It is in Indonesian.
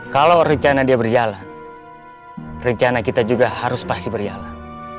kalau rencana dia berjalan rencana kita juga harus pasti berjalan